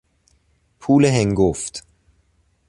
پول هنگفت